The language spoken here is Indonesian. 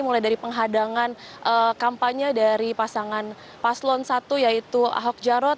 mulai dari penghadangan kampanye dari pasangan paslon satu yaitu ahok jarot